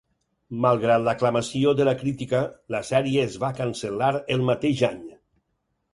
Malgrat l'aclamació de la crítica, la sèrie es va cancel·lar el mateix any.